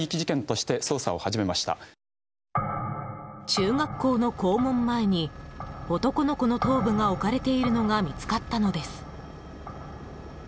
中学校の校門前に男の子の頭部が置かれているのが見つかったのです。